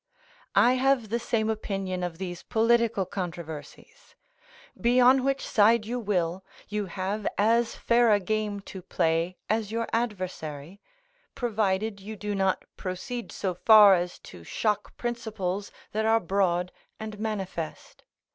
I have the same opinion of these political controversies; be on which side you will, you have as fair a game to play as your adversary, provided you do not proceed so far as to shock principles that are broad and manifest.